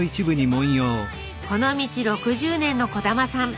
この道６０年の小玉さん。